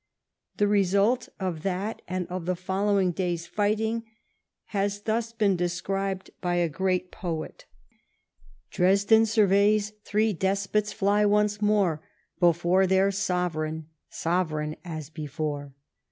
The result of that and of the following day's fighting has thus been described by a great poet : TEE FALL OF NAPOLEON. 121 "Dresden surveys three despots fly once more Before their sovereign — sovereign as before."